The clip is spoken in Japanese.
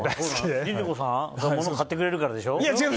ＬｉＬｉＣｏさんが物を買ってくれるからでしょ。